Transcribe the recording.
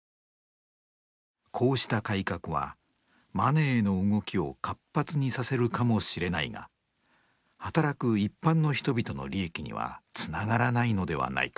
「こうした改革はマネーの動きを活発にさせるかもしれないが働く一般の人々の利益にはつながらないのではないか」。